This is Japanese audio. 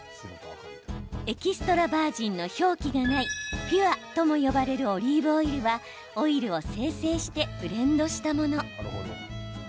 エキストラバージンの表記がない、ピュアとも呼ばれるオリーブオイルは、オイルを精製してブレンドしたもの。